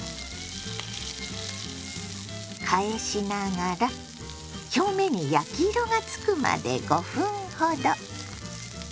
返しながら表面に焼き色がつくまで５分ほど。